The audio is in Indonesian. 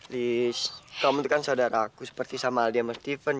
lis kamu itu kan saudara aku seperti sama aldi sama steven